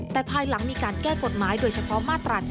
แต่ภายหลังมีการแก้กฎหมายโดยเฉพาะมาตรา๗